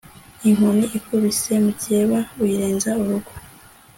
inkoni ikubise mukeba uyirenza urugo